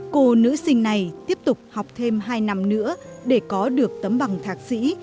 cô nữ sinh này tiếp tục học thêm hai năm nữa để có được tấm bằng thạc sĩ